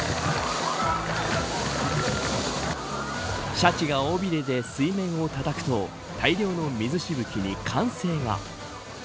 シャチが尾びれで水面をたたくと大量の水しぶきに歓声が。